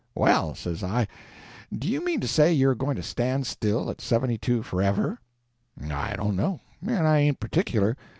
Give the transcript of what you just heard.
"Well," says I, "do you mean to say you're going to stand still at seventy two, forever?" "I don't know, and I ain't particular.